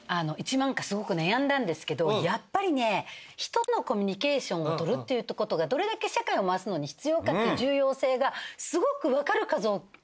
１万かすごく悩んだんですけどやっぱりね人とのコミュニケーションを取るっていう事がどれだけ世界を回すのに必要かっていう重要性がすごくわかる風